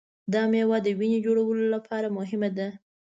دا مېوه د وینې جوړولو لپاره مهمه ده.